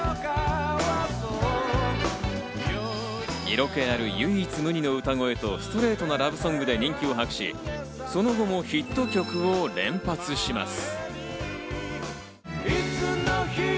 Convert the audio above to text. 色気ある唯一無二の歌声とストレートなラブソングで人気を博し、その後もヒット曲を連発します。